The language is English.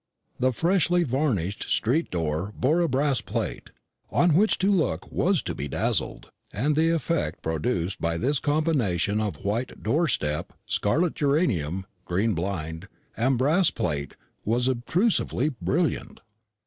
The freshly varnished street door bore a brass plate, on which to look was to be dazzled; and the effect produced by this combination of white door step, scarlet geranium, green blind, and brass plate was obtrusively brilliant.